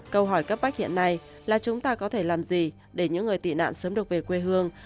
câu hỏi cấp bách hiện nay là chúng ta có thể làm gì để những người tị nạn sớm được về quê hương